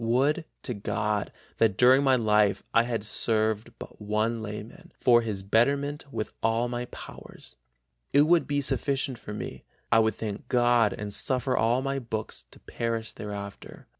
Would to God that during my life I had served but one layman for his betterment with all my powers; it would be sufficient for me, I would thank God and suffer all my books to perish thereafter....